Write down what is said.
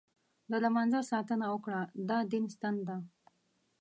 د لمانځه ساتنه وکړه، دا دین ستن ده.